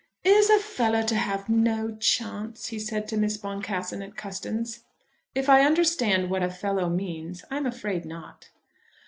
"Is a fellow to have no chance?" he said to Miss Boncassen at Custins. "If I understand what a fellow means, I am afraid not."